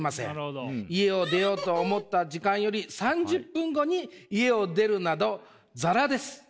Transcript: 家を出ようと思った時間より３０分後に家を出るなどザラです。